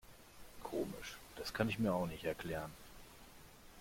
Komisch, das kann ich mir auch nicht erklären.